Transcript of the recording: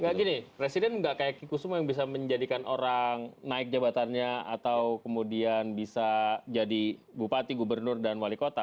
enggak gini presiden nggak kayak kikusumo yang bisa menjadikan orang naik jabatannya atau kemudian bisa jadi bupati gubernur dan wali kota